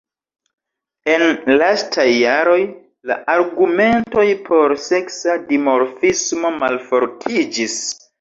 En lastaj jaroj la argumentoj por seksa dimorfismo malfortiĝis.